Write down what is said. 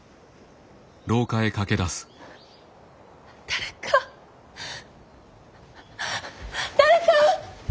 誰か誰か！